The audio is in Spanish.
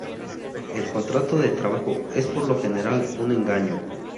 El contrato de trabajo es por lo general un engaño.